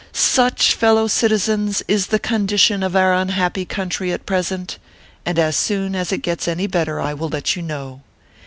Such, fellow citizens, is the condition of our un happy country at present, and as soon as it gets any better I will let you know.